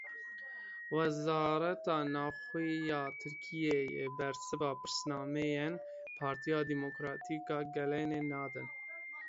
Wezareta Navxwe ya Tirkiyeyê bersiva pirsnameyên Partiya Demokratîk a Gelanê nedan.